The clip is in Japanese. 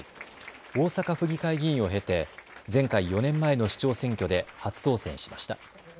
大阪府議会議員を経て前回４年前の市長選挙で初当選しました。